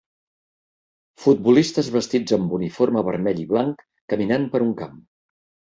Futbolistes vestits amb uniforme vermell i blanc caminant per un camp.